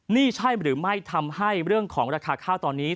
นี่ใช่หรือไม่ทำให้เรื่องของราคาข้าวตอนนี้